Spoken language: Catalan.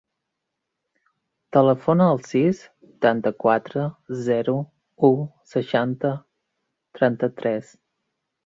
Telefona al sis, vuitanta-quatre, zero, u, seixanta, trenta-tres.